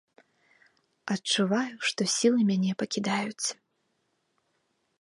Адчуваю, што сілы мяне пакідаюць.